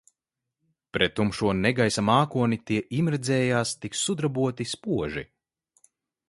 Pret tumšo negaisa mākoni tie iemirdzējās tik sudraboti spoži.